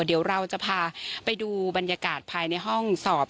เดี๋ยวเราจะพาไปดูบรรยากาศภายในห้องสอบ